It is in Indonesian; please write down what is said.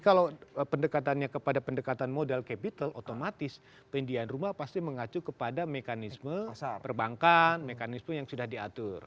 kalau pendekatannya kepada pendekatan modal capital otomatis pendidikan rumah pasti mengacu kepada mekanisme perbankan mekanisme yang sudah diatur